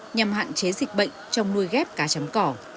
nhằm hạn chế dịch bệnh trong nuôi ghép cá chấm cỏ